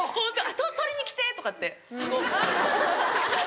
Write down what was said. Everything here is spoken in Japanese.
「取りに来て！」とかって。